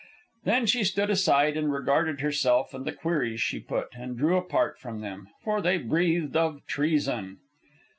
Then she stood aside and regarded herself and the queries she put, and drew apart from them, for they breathed of treason.